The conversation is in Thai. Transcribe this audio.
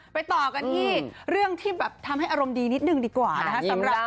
ต่อกันที่เรื่องที่แบบทำให้อารมณ์ดีนิดนึงดีกว่านะครับ